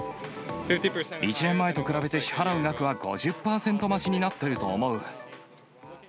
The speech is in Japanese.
１年前と比べて、支払う額は５０％増しになっていると思う。